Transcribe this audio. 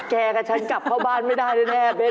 กับฉันกลับเข้าบ้านไม่ได้แน่เบ๊